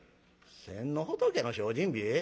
「先の仏の精進日？